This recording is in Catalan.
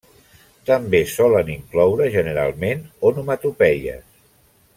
També solen incloure generalment onomatopeies.